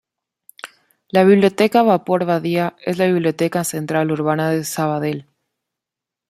La Biblioteca Vapor Badia es la biblioteca central urbana de Sabadell.